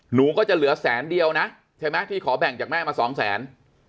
หนูก็จะเหลือแสนเดียวนะใช่ไหมที่ขอแบ่งจากแม่มาสองแสน